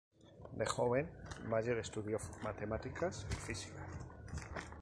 De joven, Meyer estudió matemática y física.